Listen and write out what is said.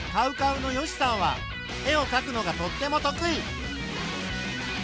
ＣＯＷＣＯＷの善しさんは絵をかくのがとっても得意。